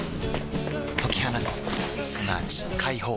解き放つすなわち解放